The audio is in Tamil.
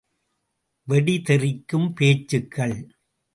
வெடி தெறிக்கும் பேச்சுகள்!